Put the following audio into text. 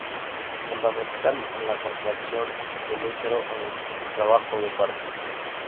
Fundamental en la contracción del útero en el trabajo de parto.